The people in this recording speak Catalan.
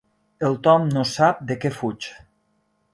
El Tom no sap de què fuig.